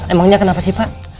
emangnya kenapa sih pak